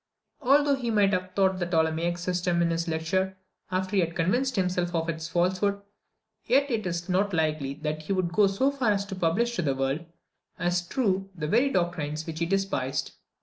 Although he might have taught the Ptolemaic system in his lectures after he had convinced himself of its falsehood, yet it is not likely that he would go so far as to publish to the world, as true, the very doctrines which he despised.